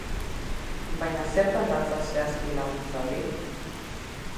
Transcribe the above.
Baina zertan datza zehazki laguntza hori?